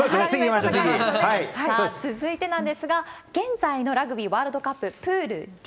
さあ続いてなんですけれども、現在のラグビーワールドカップ、プールＤ。